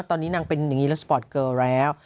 ตอนนี้นางเป็นอย่างนี้แล้วสปอร์ตเกอร์แล้ว